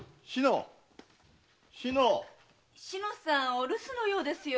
お留守のようですよ。